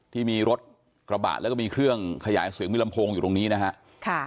ที่มีรถกระบะแล้วก็มีเครื่องขยายเสียงมีลำโพงอยู่ตรงนี้นะฮะ